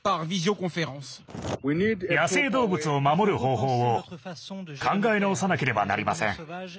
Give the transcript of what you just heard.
野生動物を守る方法を考え直さなければなりません。